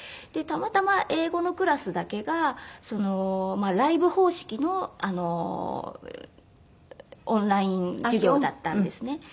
たまたま英語のクラスだけがライブ方式のオンライン授業だったんですね。